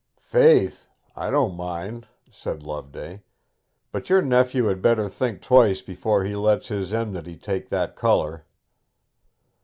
'Faith! I don't mind,' said Loveday. 'But your nephew had better think twice before he lets his enmity take that colour.'